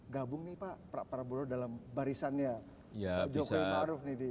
gabung nih pak prabowo dalam barisannya jokowi maruf nih